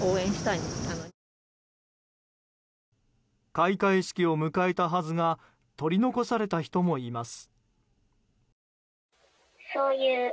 開会式を迎えたはずが取り残された人もいます。